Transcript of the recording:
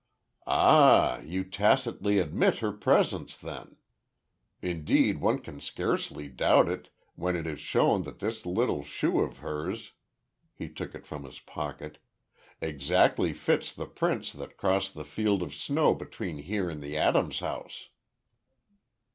"Ah, you tacitly admit her presence, then. Indeed, one can scarcely doubt it, when it is shown that this little shoe of hers," he took it from his pocket, "exactly fits the prints that cross the field of snow between here and the Adams house."